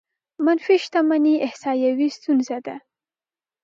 منفي شتمنۍ احصايوي ستونزه ده.